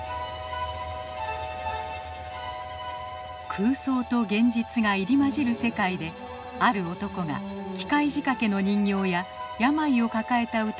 空想と現実が入り交じる世界である男が機械仕掛けの人形や病を抱えた歌姫に恋をする物語。